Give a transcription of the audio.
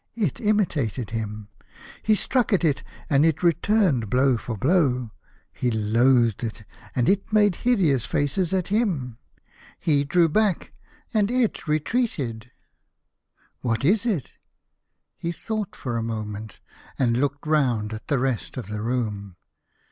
It imitated him. He struck at it, and it returned blow for blow. He loathed it, and it made hideous faces at him. He drew back, and it retreated. What is it ? He thought for a moment, and looked round at the rest of the room.